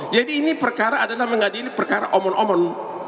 jadi ini perkara adalah mengadili perkara omon omon